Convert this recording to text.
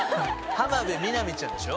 浜辺美波ちゃんでしょ？